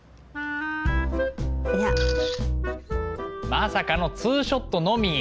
まさかのツーショットのみ。